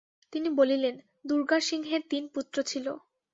তিনি বলিলেন, দুর্গাসিংহের তিন পুত্র ছিল।